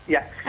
ya itu tadi